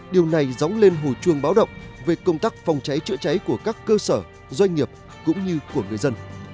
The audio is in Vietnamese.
điều này dóng lên hồi chuông báo động về công tác phòng cháy chữa cháy của các cơ sở doanh nghiệp cũng như của người dân